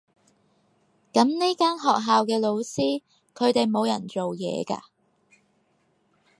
噉呢間學校嘅老師，佢哋冇人做嘢㗎？